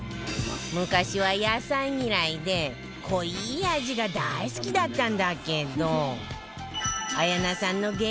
昔は野菜嫌いで濃い味が大好きだったんだけど